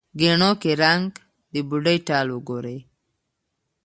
ګېڼو کې رنګ، د بوډۍ ټال وګورې